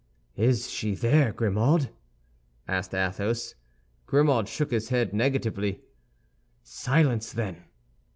"Is she there, Grimaud?" asked Athos. Grimaud shook his head negatively. "Silence, then!"